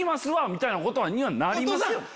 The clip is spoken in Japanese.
みたいなことにはなりますよね？